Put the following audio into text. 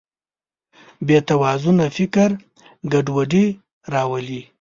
بېتوازنه فکر ګډوډي راولي.